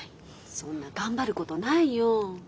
そんな頑張ることないよ。